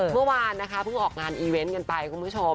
เมื่อวานนะคะเพิ่งออกงานอีเวนต์กันไปคุณผู้ชม